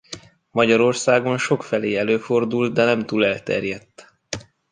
Magyarországon sokfelé előfordul de nem túl elterjedt.